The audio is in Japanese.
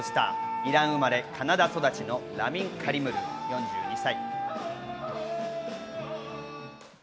イラン生まれカナダ育ちのラミン・カリムルー４２歳。